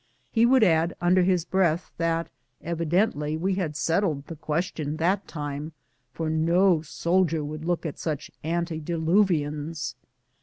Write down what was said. lie would add, under his breath, that evidently we had set tled the question that time, for no soldier would look at such antediluvians.